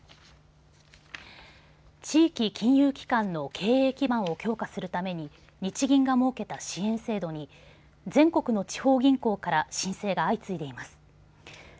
地域金融機関の経営基盤を強化するために日銀が設けた支援制度に全国の地方銀行から申請が相次いでいます。